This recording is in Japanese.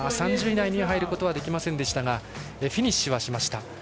３０位以内に入ることはできませんでしたがフィニッシュはしました。